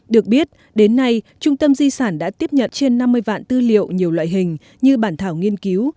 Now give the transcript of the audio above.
được biết đến nay trung tâm di sản đã tiếp nhận trên năm mươi vạn tư liệu nhiều loại hình như bản thảo nghiên cứu